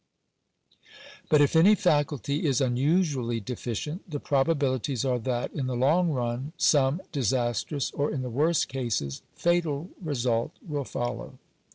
But if any faculty is unusually deficient, the probabilities are that, in the long run, some dis astrous, or, in the worst cases — fatal result will follow.